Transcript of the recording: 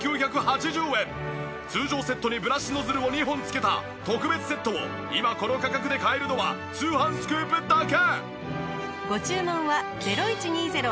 通常セットにブラシノズルを２本付けた特別セットを今この価格で買えるのは『通販スクープ』だけ。